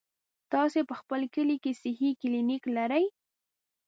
تاسې په خپل کلي کې صحي کلينيک لرئ؟